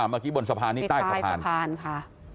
อ่าเมื่อกี้บนสะพานนี่ใต้สะพานใต้สะพานค่ะ